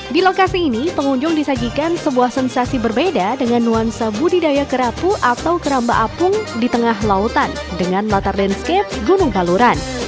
di lokasi ini pengunjung disajikan sebuah sensasi berbeda dengan nuansa budidaya kerapu atau keramba apung di tengah lautan dengan latar landscape gunung baluran